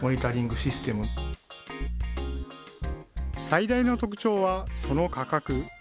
最大の特徴は、その価格。